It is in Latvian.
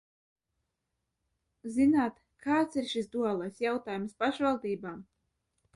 Zināt, kāds ir šis duālais jautājums pašvaldībām?